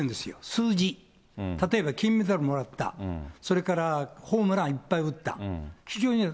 数字、例えば金メダルもらった、それからホームランいっぱい打った、非常にね。